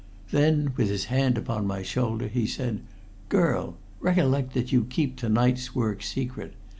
Then, with his hand upon my shoulder, he said, 'Girl! Recollect that you keep to night's work secret.